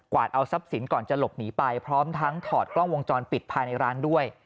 เอาทรัพย์สินก่อนจะหลบหนีไปพร้อมทั้งถอดกล้องวงจรปิดภายในร้านด้วย